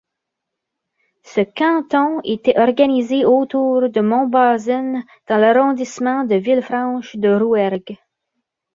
Ce canton était organisé autour de Montbazens dans l'arrondissement de Villefranche-de-Rouergue.